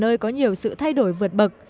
nơi có nhiều sự thay đổi vượt bậc